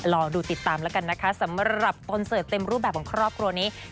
รอดูติดตามแล้วกันนะคะสำหรับคอนเสิร์ตเต็มรูปแบบของครอบครัวนี้